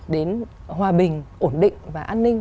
đến hòa bình ổn định và an ninh